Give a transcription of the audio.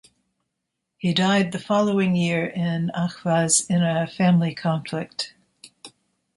He died the following year in Ahvaz in a family conflict.